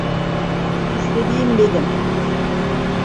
İstediğin benim.